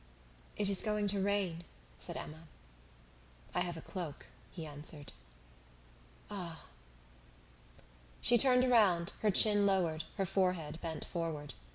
"It is going to rain," said Emma. "I have a cloak," he answered. "Ah!" She turned around, her chin lowered, her forehead bent forward.